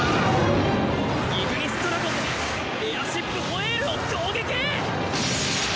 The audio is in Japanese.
イグニスドラゴンでエアシップホエールを攻撃！